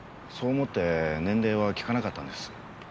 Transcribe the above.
そう思って年齢は訊かなかったんです。